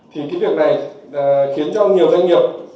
thì cái việc này khiến cho nhiều doanh nghiệp